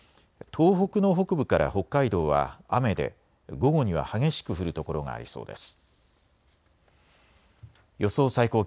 東北の北部から北海道は雨で午後には激しく降る所がありそうです。